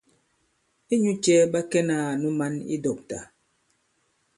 Inyū cɛ̄ ɓa kɛnā ànu mǎn i dɔ̂kta ?